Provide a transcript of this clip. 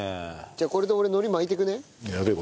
じゃあこれで俺海苔巻いていくね。